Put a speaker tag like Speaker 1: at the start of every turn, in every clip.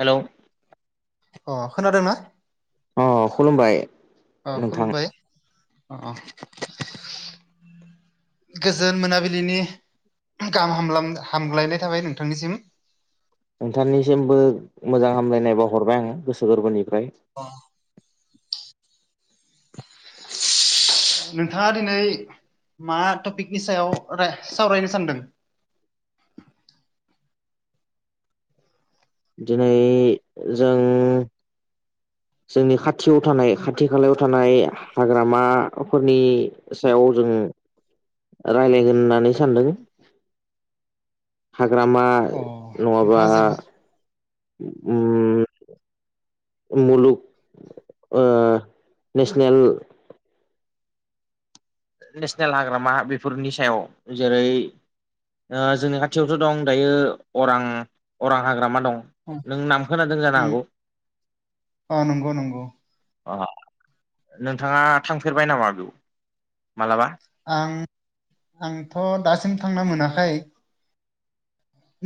Speaker 1: Hello
Speaker 2: अ खोनादोंना?
Speaker 1: अ खुलुमबाय
Speaker 2: अ
Speaker 1: नोंथां
Speaker 2: खुलुमबाय अ गोजोन मोनाबिलिनि गाहाम हाम हामग्लायनाय थाबाय नोंथांनिसिम।
Speaker 1: नोंथांनिसिमबो मोजां हामलायनाय बावहरबाय आं गोसो गोरबोनिफ्राय
Speaker 2: अ [inaudible] नोंथाङा दिनै मा टपिकनि सायाव रा सावरायनो सानदों?
Speaker 1: दिनै जों जोंनि खाथियाव थानाय खाथि खालायाव थानाय हाग्रामाफोरनि सायाव जों रायलायगोन होननानै सानदों हाग्रामा
Speaker 2: अ
Speaker 1: नङाबा
Speaker 2: नोंथाङा जो
Speaker 1: उम। मुलुग नेसनेल नेसनेल हाग्रामा बेफोरनि सायाव जेरै जोंनि खाथियावथ दं दायो अरां अरां हाग्रामा दं।
Speaker 2: उम
Speaker 1: नों नाम खोनादों जानो
Speaker 2: उम
Speaker 1: हागौ।
Speaker 2: अ नंगौ नंगौ
Speaker 1: अ नोंथाङा थांफेरबाय नामा बेयाव मालाबा
Speaker 2: आं आंथ दासिम थांना मोनाखै।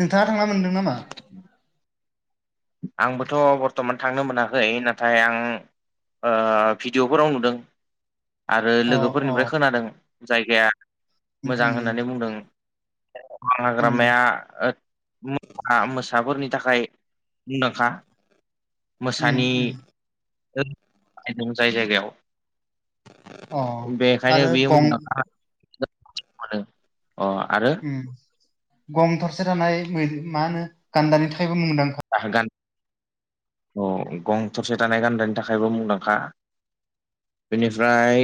Speaker 2: नोंथाङा थांना मोन्दों नामा?
Speaker 1: [inaudible] आंबोथ बर्थमान थांनो मोनाखै नाथाय आं भिडिअफोराव नुदों। आरो
Speaker 2: अ अ
Speaker 1: लोगोफोरनिफ्राय खोनादों जायगाया
Speaker 2: उम
Speaker 1: मोजां होननानै बुंदों। अरां
Speaker 2: उम
Speaker 1: हाग्रामाया मोसाफोरनि थाखाय मुंदांखा
Speaker 2: उम
Speaker 1: मोसानि
Speaker 2: उम
Speaker 1: दं जाय जायगायाव
Speaker 2: अ
Speaker 1: बेखायनो
Speaker 2: आरो
Speaker 1: बेयो
Speaker 2: गं
Speaker 1: मुंदांखा अ आरो
Speaker 2: ओम गं थरसे थानाय मा होनो गान्दानि थाखायबो मुंदांखा
Speaker 1: ज गान औ गं थरसे थानाय गान्दानि थाखायबो मुंदांखा बेनिफ्राय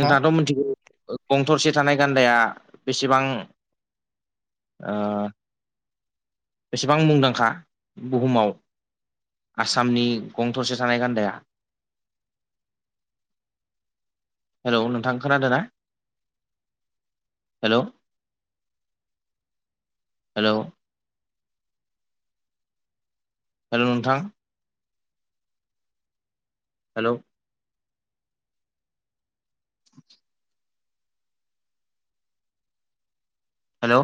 Speaker 1: नोंथाङाथ' मिथिगौ। गं थरसे थानाय गान्दाया बेसेबां ओ बेसेबां मुंदां खा बुहुमाव आसामनि गं थरसे थानाय गान्दाया
Speaker 2: ज [inaudible]
Speaker 1: हेल' नोंथां खोनादों ना? हेलौ। हेलौ। हेल' नोंथां। हेलौ। [inaudible] हेलौ।